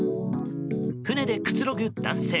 船でくつろぐ男性。